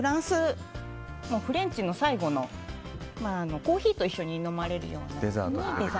フレンチの最後のコーヒーと一緒に飲まれるような。